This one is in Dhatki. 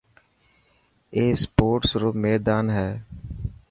اي اسپورٽس رو ميدان هي.